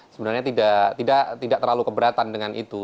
sebenarnya tidak terlalu keberatan dengan itu